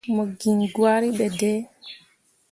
Mo giŋ gwari ɓe dai.